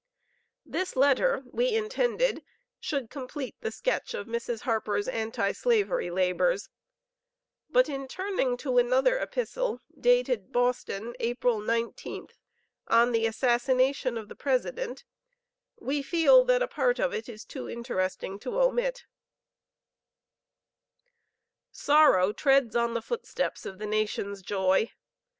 This letter we had intended should complete the sketch of Mrs. Harper's Anti Slavery labors; but in turning to another epistle dated Boston, April 19th, on the Assassination of the President, we feel that a part of it is too interesting to omit: "Sorrow treads on the footsteps of the nation's joy.